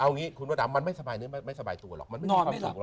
เอาอย่างนี้คุณวัตัวรมันไม่สบายตัวหรอก